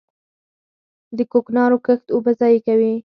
د کوکنارو کښت اوبه ضایع کوي.